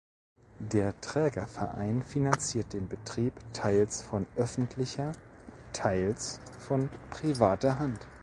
Der Trägerverein finanziert den Betrieb teils von öffentlicher, teils von privater Hand.